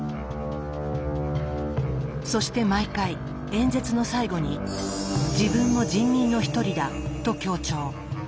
そして毎回演説の最後に「自分も人民の一人だ」と強調。